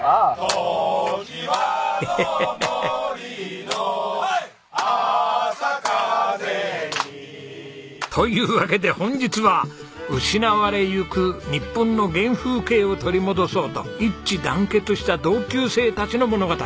「ときはの森の朝風に」というわけで本日は失われゆく日本の原風景を取り戻そうと一致団結した同級生たちの物語。